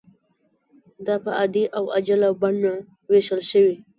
دا په عادي او عاجله بڼه ویشل شوې.